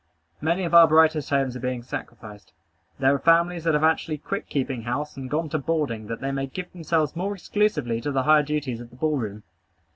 Many of our brightest homes are being sacrificed. There are families that have actually quit keeping house, and gone to boarding, that they may give themselves more exclusively to the higher duties of the ball room.